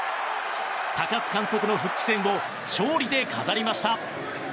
高津監督の復帰戦を勝利で飾りました。